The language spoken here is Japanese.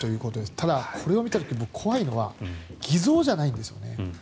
ただ、これを見た時僕、怖いのは偽造じゃないんですよね。